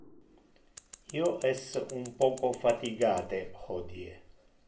Io es un poco fatigate hodie.